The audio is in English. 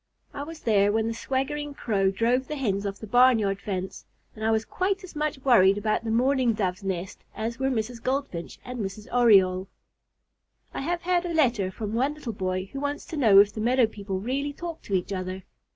I was there when the swaggering Crow drove the Hens off the barnyard fence, and I was quite as much worried about the Mourning Doves' nest as were Mrs. Goldfinch and Mrs. Oriole. I have had a letter from one little boy who wants to know if the meadow people really talk to each other.